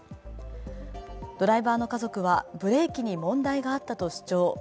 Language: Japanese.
ドライバーの家族は、ブレーキに問題があったと主張。